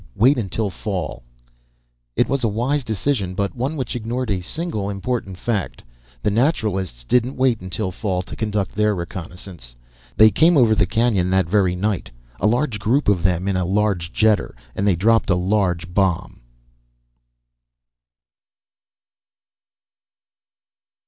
Wait until fall It was a wise decision, but one which ignored a single, important fact. The Naturalists didn't wait until fall to conduct their reconnaissance. They came over the canyon that very night; a large group of them in a large jetter. And they dropped a large bomb....